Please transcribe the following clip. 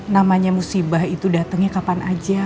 namanya musibah itu datangnya kapan aja